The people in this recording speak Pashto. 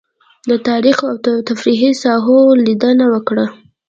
له تاريخي او تفريحي ساحو لېدنه وکړه.